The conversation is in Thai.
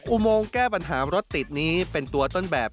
อุโมงแก้ปัญหารถติดนี้เป็นตัวต้นแบบ